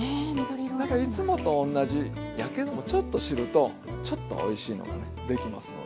いつもとおんなじやけどもちょっと知るとちょっとおいしいのがねできますので。